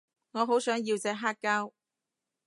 我好想要隻黑膠